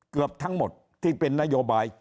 เกือบทั้งหมดที่เป็นนโยบาย